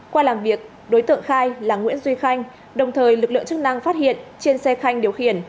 qua làm việc đối tượng khai là nguyễn duy khanh đồng thời lực lượng chức năng phát hiện trên xe khanh điều khiển